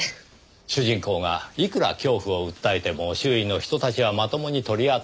主人公がいくら恐怖を訴えても周囲の人たちはまともに取り合ってくれない。